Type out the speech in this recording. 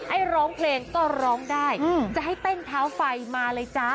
ให้ร้องเพลงก็ร้องได้จะให้เต้นเท้าไฟมาเลยจ๊ะ